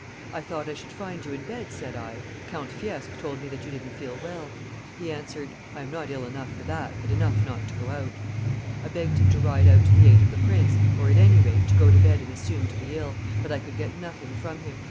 'I thought I should find you in bed,' said I; 'Count Fiesque told me that you didn't feel well.' He answered, 'I am not ill enough for that, but enough not to go out.' I begged him to ride out to the aid of the prince, or, at any rate, to go to bed and assume to be ill; but I could get nothing from him.